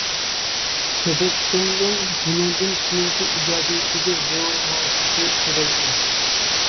تەبەسسۇمنىڭ بۇنىڭدىن كېيىنكى ئىجادىيىتىگە زور مۇۋەپپەقىيەت تىلەيمەن!